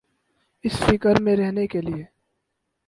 اس فکر میں رہنے کیلئے۔